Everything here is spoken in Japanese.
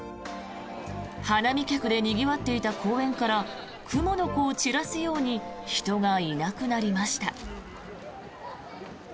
花見客でにぎわっていた公園からクモの子を散らすように人がいなくなりました。